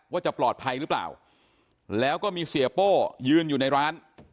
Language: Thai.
ว่าจะปลอดภัยหรือเปล่าแล้วก็มีเสียโป้ยืนอยู่ในร้าน